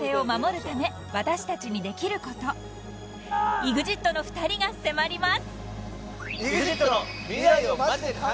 ［ＥＸＩＴの２人が迫ります］